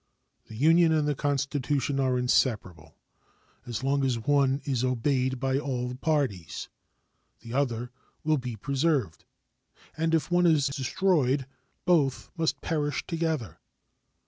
The Union and the Constitution are inseparable. As long as one is obeyed by all parties, the other will be preserved; and if one is destroyed, both must perish together.